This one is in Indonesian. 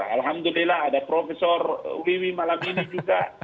alhamdulillah ada profesor wiwi malamini juga